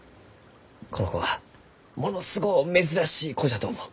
この子はものすごう珍しい子じゃと思う。